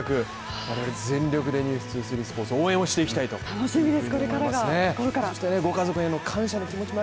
我々、全力で「ｎｅｗｓ２３」スポーツ、応援していきたいと思います。